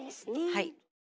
はい。